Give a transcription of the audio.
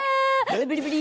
ブリブリ！